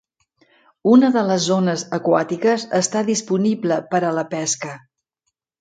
Una de les zones aquàtiques està disponible per a la pesca.